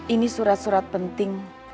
ini surat surat penting